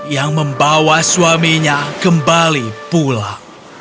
yang membawa suaminya kembali pulang